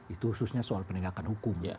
itu khususnya soal penegakan hukum